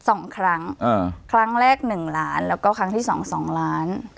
โอน๒ครั้งครั้งแรก๑ล้านแล้วก็ครั้งที่๒๒ล้าน